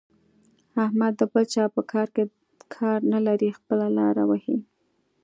احمد د بل چا په کار کې کار نه لري؛ خپله لاره وهي.